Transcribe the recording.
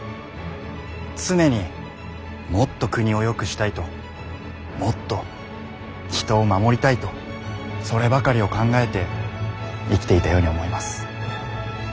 常にもっと国をよくしたいともっと人を守りたいとそればかりを考えて生きていたように思います。